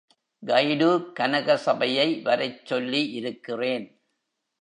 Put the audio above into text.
Guide கனகசபையை வரச்சொல்லி இருக்கிறேன்.